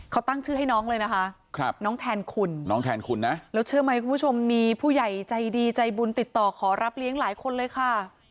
เขาตั้งชื่อให้น้องเลยนะคะน้องแทนคุณน้องแทนคุณนะแล้วเชื่อไหมคุณผู้ชมมีผู้ใหญ่ใจดีใจบุญติดต่อขอรับเลี้ยงหลายคนเลยค่ะ